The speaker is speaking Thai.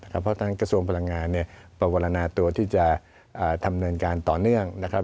เพราะทางกระทรวงพลังงานประวรณาตัวที่จะดำเนินการต่อเนื่องนะครับ